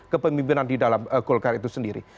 kepemimpinan di dalam golkar itu sendiri